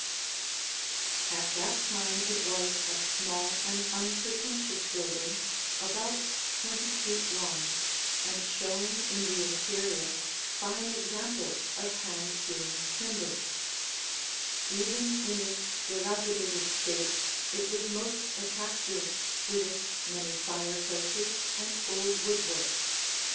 [Illustration: Front View showing the Old Well] At that time it was a small and unpretentious building about twenty feet long and showing in the interior fine examples of hand hewn timbers. Even in its dilapidated state it was most attractive, with its many fireplaces and old woodwork.